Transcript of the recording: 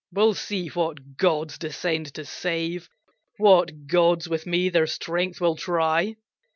We'll see what gods descend to save What gods with me their strength will try!"